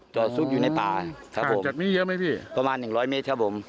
จอดซุกอยู่ในป่าจอดมีเยอะไหมพี่ประมาณหนึ่งร้อยเมตรครับผม